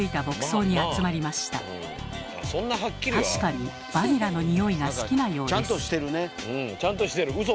確かにバニラのにおいが好きなようです。